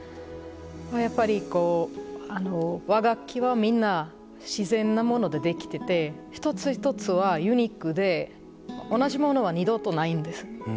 やっぱりこう和楽器はみんな自然なもので出来てて一つ一つはユニークで同じものは二度とないんです。